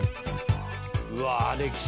「うわあ歴史」